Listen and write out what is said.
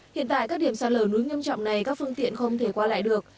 hiện tại các điểm sạt lở núi nghiêm trọng này các phương tiện không thể qua lại được